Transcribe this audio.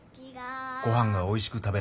ごはんがおいしく食べられるんだ。